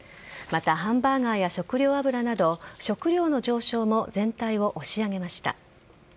また、ハンバーガーや食料油など食料の上昇も全体を押し上げました。